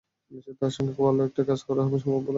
তার সঙ্গে ভালো একটা কাজ করা সম্ভব হবে বলেই আশা করছি।